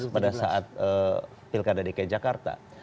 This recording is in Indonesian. pada saat pilkada dki jakarta